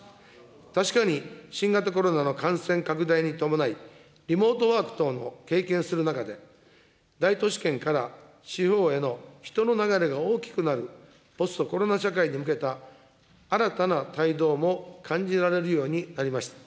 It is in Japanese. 確かに新型コロナの感染拡大に伴い、リモートワーク等も経験する中で、大都市圏から地方への人の流れが大きくなるポストコロナ社会に向けた新たな胎動も感じられるようになりました。